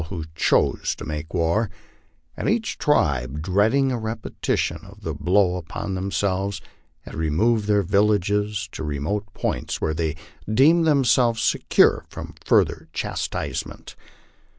205 who chose to make war ; and each tribe, dreading a repetition of the blow upon themselves, had removed their villages to remote points where they deemed themselves secure from further chastisement.